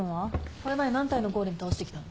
これまで何体のゴーレム倒してきたの？